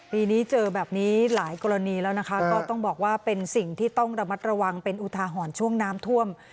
ปีนี้เจอแบบนี้หลายกรณีแล้วนะคะก็ต้องบอกว่าเป็นสิ่งที่ต้องระมัดระวังเป็นอุทาหรณ์ช่วงน้ำท่วม